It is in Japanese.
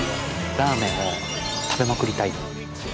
ラーメンを食べまくりたい。